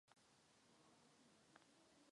Britney a Ray Kay natočili dvě verze tohoto klipu.